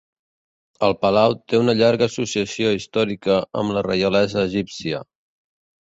El palau té una llarga associació històrica amb la reialesa egípcia.